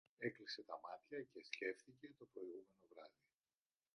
Έκλεισε τα μάτια και σκέφτηκε το προηγούμενο βράδυ